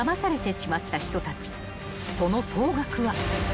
［その総額は］